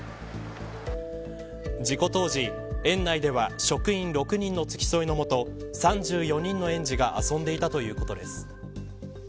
事故当時、園内では職員６人の付き添いのもと３４人の園児が遊んでいたということです。